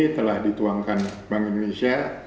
telah dituangkan bank indonesia